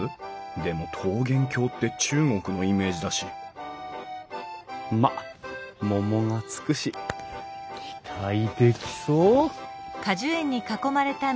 でも桃源郷って中国のイメージだしまっ「桃」が付くし期待できそう！